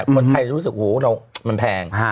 คนไทยจะรู้สึกหูมันแพง